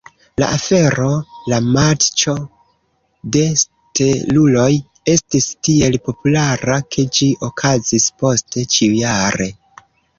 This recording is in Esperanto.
La afero, la Matĉo de Steluloj, estis tiel populara ke ĝi okazis poste ĉiujare.